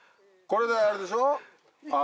これであれでしょ？